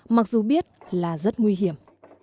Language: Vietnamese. mặc dù biết là rất nguy hiểm